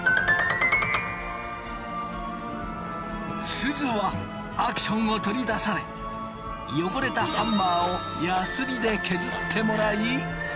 すずはアクションを取り出されよごれたハンマーをやすりで削ってもらい。